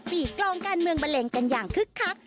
ปีกลองการเมืองบันเลงกันอย่างคึกคัก